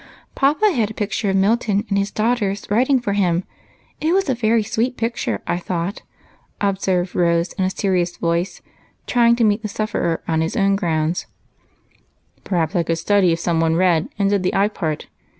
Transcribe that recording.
" Papa had a picture of Milton and his daughters POOR MAC. 127 writing for him. It was a very sweet picture, I thought," observed Rose in a serious voice, trying to meet the sufferer on his own ground. " PerhajDS I could study if some one read and did the eye part.